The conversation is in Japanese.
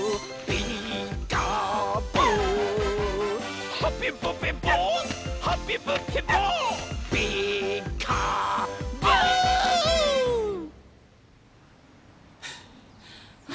「ピーカーブ！」はあ。